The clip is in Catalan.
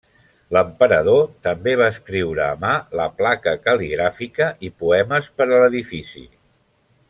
L'emperador també va escriure a mà la placa cal·ligràfica i poemes per a l'edifici.